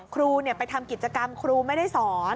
ครูไปทำกิจกรรมครูไม่ได้สอน